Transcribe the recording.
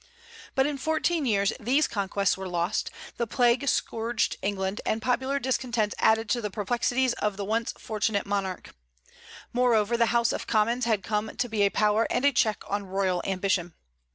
But in fourteen years these conquests were lost; the plague scourged England, and popular discontents added to the perplexities of the once fortunate monarch. Moreover, the House of Commons had come to be a power and a check on royal ambition.